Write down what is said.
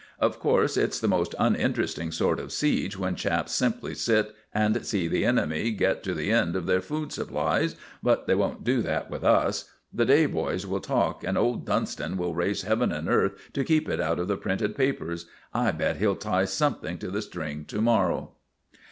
Of course, it's the most uninteresting sort of siege when chaps simply sit and see the enemy get to the end of their food supplies, but they won't do that with us. The day boys will talk, and old Dunston will raise heaven and earth to keep it out of the printed papers. I bet he'll tie something to the string to morrow."